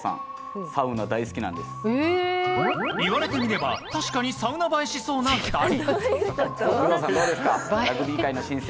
言われてみれば確かにサウナ映えしそうな２人。